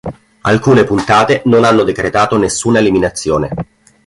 Alcune puntate non hanno decretato nessuna eliminazione.